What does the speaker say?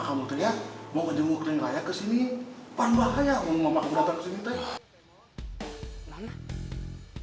kalau kamu ketemu neng raya kesini pan bahaya mau kamu datang kesini